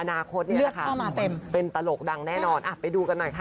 อนาคตนี่แหละค่ะเป็นตลกดังแน่นอนอ่ะไปดูกันหน่อยค่ะ